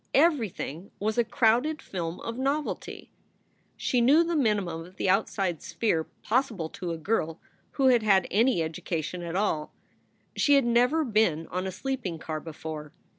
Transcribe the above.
Everything was a crowded film of novelty. She knew the minimum of the outside sphere possible to a girl who had had any education at all. She had never been on a sleeping car before.